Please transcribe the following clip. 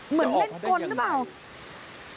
เหมือนเล่นก้นหรือเปล่าจะออกไปได้ยังไง